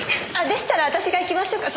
でしたら私が行きましょうか？